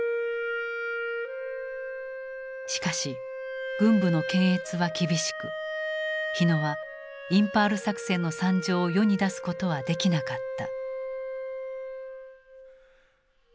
しかし軍部の検閲は厳しく火野はインパール作戦の惨状を世に出すことはできなかった。